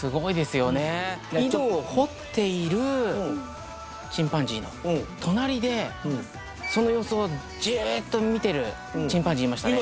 井戸を掘っているチンパンジーの隣でその様子をじっと見てるチンパンジーいましたね